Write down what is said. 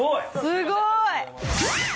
すごい！